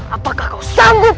apakah kau sanggup